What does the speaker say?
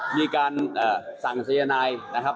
มีการสั่งสัญญาณายน์นะครับ